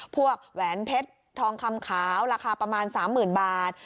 แหวนเพชรทองคำขาวราคาประมาณ๓๐๐๐บาท